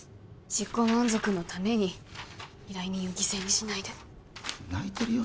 自己満足のために依頼人を犠牲にしないで泣いてるよ